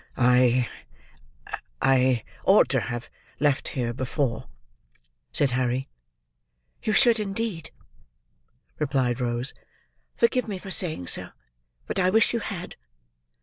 "I—I—ought to have left here, before," said Harry. "You should, indeed," replied Rose. "Forgive me for saying so, but I wish you had."